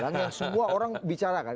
yang semua orang bicarakan